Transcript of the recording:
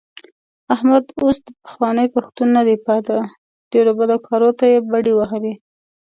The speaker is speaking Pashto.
احمد اوس پخوانی پښتون نه دی پاتې. ډېرو بدو کارو ته یې بډې وهلې.